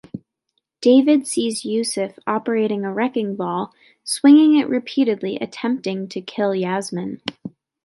David sees Yussef operating a wrecking ball, swinging it repeatedly attempting to kill Yasmin.